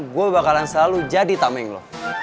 ya gak bisa lah al